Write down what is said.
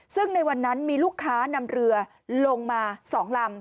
ซึ่งในวันนั้นมีลูกค้านำเรือลงมา๒ลำ